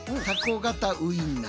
型ウインナー